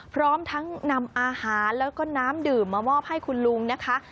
พร้อมทั้งนำอาหารแล้วก็น้ำดื่มมามอบให้คุณลุงนะคะ